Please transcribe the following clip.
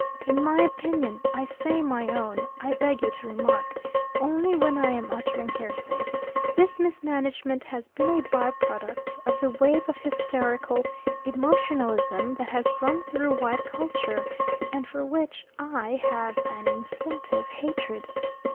In my opinion I say my own, I beg you to remark, only when I am uttering heresy this mismanagement has been a by product of the wave of hysterical emotionalism that has run through white culture and for which I have an instinctive hatred.